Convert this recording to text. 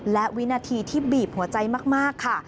และวินาทีที่บีบหัวใจมากค่ะ